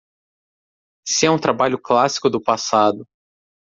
Se é um trabalho clássico do passado